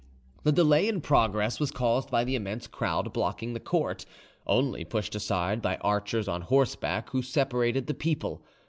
The delay in progress was caused by the immense crowd blocking the court, only pushed aside by archers on horseback, who separated the people.